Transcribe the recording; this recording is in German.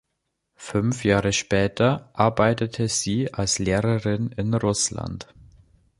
Fünf Jahre später arbeitete sie als Lehrerin in Russland.